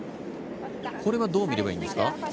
これはどう見ればいいですか？